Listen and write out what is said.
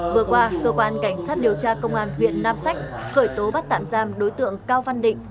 vừa qua cơ quan cảnh sát điều tra công an huyện nam sách khởi tố bắt tạm giam đối tượng cao văn định